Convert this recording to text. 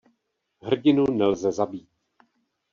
Hrdinu nelze zabít.